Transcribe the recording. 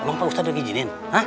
emang pak ustadz udah gijinin